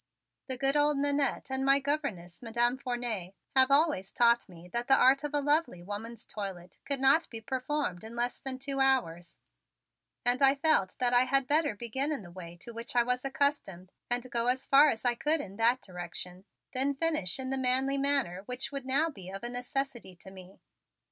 The good old Nannette and my Governess Madam Fournet have always taught me that the art of a lovely woman's toilet could not be performed in less than two hours, and I felt that I had better begin in the way to which I was accustomed and go as far as I could in that direction, then finish in the manly manner which would now be of a necessity to me.